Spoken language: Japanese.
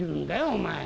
お前。